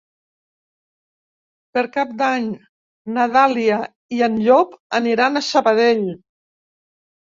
Per Cap d'Any na Dàlia i en Llop aniran a Sabadell.